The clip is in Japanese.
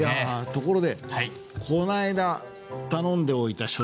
ところでこの間頼んでおいた書類